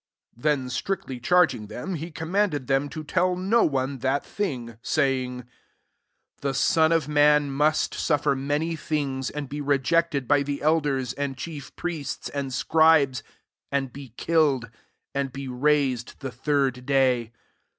21 Then strictly charging them, he commanded them to tell no one that thing, 22 saying, " The Son of man must suiTer many things, and be rejected by the elders ajnd chief priests and scribes, aad be killed, and be raised the third day."